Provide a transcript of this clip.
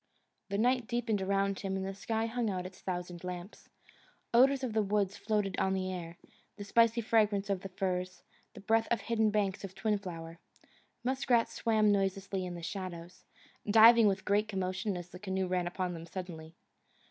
The night deepened around him and the sky hung out its thousand lamps. Odours of the woods floated on the air: the spicy fragrance of the firs; the breath of hidden banks of twin flower. Muskrats swam noiselessly in the shadows, diving with a great commotion as the canoe ran upon them suddenly.